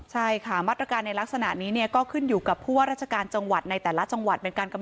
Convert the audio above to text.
ใช่ค่ะมาตรการในลักษณะนี้เนี่ยก็ขึ้นอยู่กับผู้ว่าราชการจังหวัดในแต่ละจังหวัดเป็นการกำ